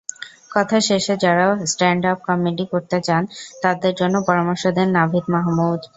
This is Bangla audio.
কথার শেষে যাঁরা স্ট্যান্ডআপ কমেডি করতে চান, তাঁদের জন্য পরামর্শ দেন নাভিদ মাহবুব।